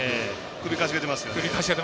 首、傾げてますよね。